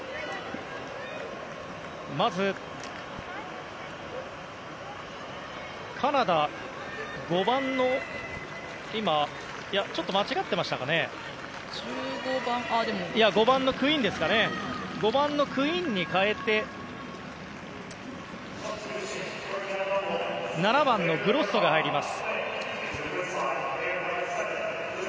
まず、カナダ５番のクインに代えて７番のグロッソが入ります。